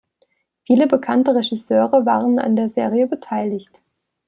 Viele bekannte Regisseure waren an der Serie beteiligt.